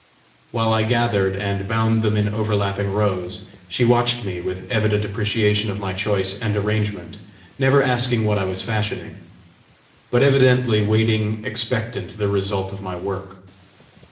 While I gathered, and bound them in overlapping rows, she watched me with evident appreciation of my choice and arrangement, never asking what I was fashioning, but evidently waiting expectant the result of my work.